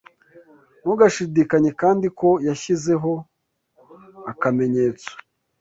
Ntugashidikanya kandi ko yashyizeho akamenyetso